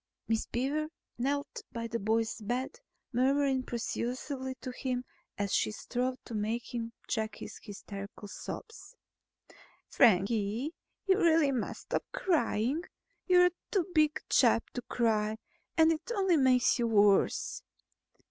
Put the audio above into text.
Miss Beaver knelt by the boy's bed, murmuring persuasively to him as she strove to make him check his hysterical sobs. "Frankie, you really must stop crying. You're too big a chap to cry and it only makes you worse.